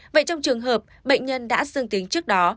vậy trong trường hợp bệnh nhân đã dương tính trước đó